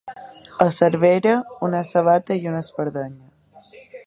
A Cervera, una sabata i una espardenya.